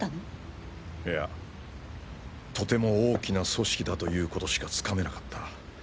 はわいやとても大きな組織だということしかつかめなかった。